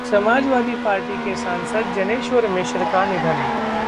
समाजवादी पार्टी के सांसद जनेश्वर मिश्र का निधन